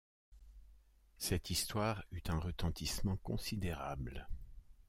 Cette histoire eut un retentissement considérable.